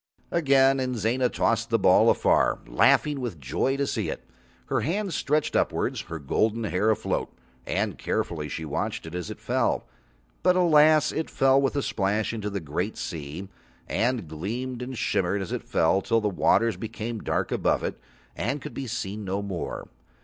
Again Inzana tossed the ball afar, laughing with joy to see it, her hands stretched upwards, her golden hair afloat, and carefully she watched it as it fell. But alas! it fell with a splash into the great sea and gleamed and shimmered as it fell till the waters became dark above it and could be seen no more.